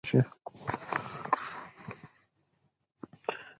تنګ ذهن هېڅکله له ایمان څخه برخمن کېدای نه شي